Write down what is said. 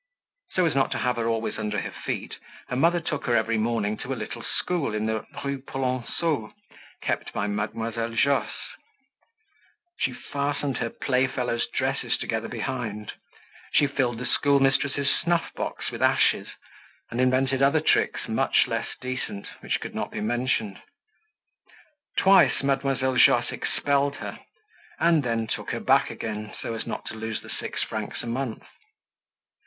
So as not to have her always under her feet her mother took her every morning to a little school in the Rue Polonceau kept by Mademoiselle Josse. She fastened her playfellows' dresses together behind, she filled the school mistress's snuff box with ashes, and invented other tricks much less decent which could not be mentioned. Twice Mademoiselle Josse expelled her and then took her back again so as not to lose the six francs a month.